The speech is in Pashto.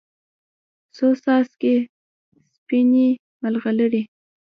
څو څاڅکي سپینې، مرغلرې